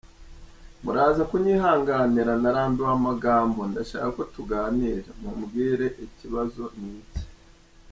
Muraza kunyihanganira narambiwe amagambo, ndashaka ko tuganira, mumbwire ikibazo ni iki?”